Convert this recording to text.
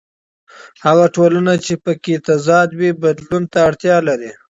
هغه ټولنه چې په کې تضاد وي بدلون ته اړتیا لري.